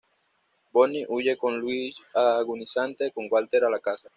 Bonnie huye con un Luis agonizante, con Walter a la caza.